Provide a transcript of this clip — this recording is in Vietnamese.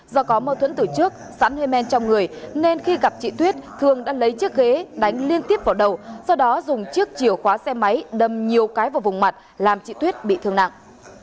do có mâu thuẫn từ trước sẵn hơi men trong người nên khi gặp chị tuyết thương đã lấy chiếc ghế đánh liên tiếp vào đầu sau đó dùng chiếc chìa khóa xe máy đâm nhiều cái vào vùng mặt làm chị tuyết bị thương nặng